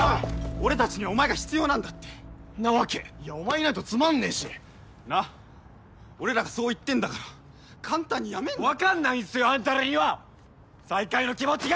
俺達にはお前が必要なんだってなわけお前いねえとつまんねえしなっ俺らがそう言ってんだから簡単にやめんなよ分かんないんすよあんたらには最下位の気持ちが！